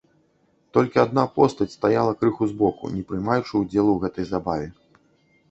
Толькі адна постаць стаяла крыху збоку, не прымаючы ўдзелу ў гэтай забаве.